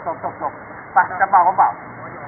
ขอบคุณที่ทำดีดีกับแม่ของฉันหน่อยครับ